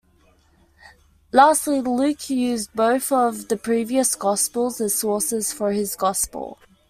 Lastly, Luke used both of the previous gospels as sources for his Gospel.